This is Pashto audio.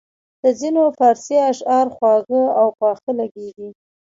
د ځینو فارسي اشعار خواږه او پاخه لګیږي.